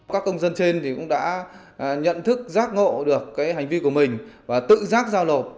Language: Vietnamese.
các công dân trên cũng đã nhận thức giác ngộ được hành vi của mình và tự giác giao nộp